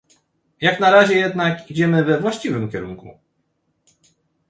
Jak na razie jednak idziemy we właściwym kierunku